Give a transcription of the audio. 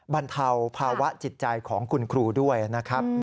บรรเทาภาวะจิตใจของคุณครูด้วยนะครับ